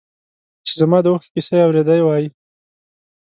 چې زما د اوښکو کیسه یې اورېدی وای.